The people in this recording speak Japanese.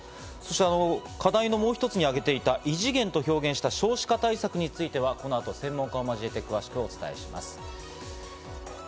課題のもう一つに挙げていた異次元と称した少子化対策についてはこの後、専門家を交え、詳しくお伝えします。